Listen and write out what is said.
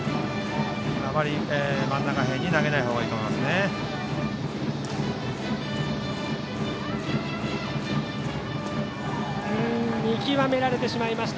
あまり、真ん中に投げないほうがいいと思います。